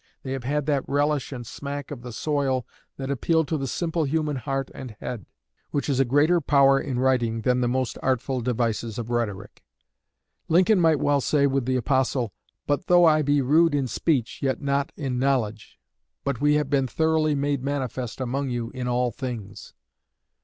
They have had that relish and smack of the soil that appeal to the simple human heart and head, which is a greater power in writing than the most artful devices of rhetoric. Lincoln might well say with the apostle, 'But though I be rude in speech, yet not in knowledge, but we have been thoroughly made manifest among you in all things.'